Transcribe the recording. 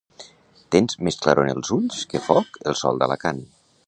Tens més claror en els ulls, que foc el sol d'Alacant.